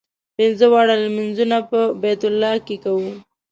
پنځه واړه لمونځونه په بیت الله کې کوو.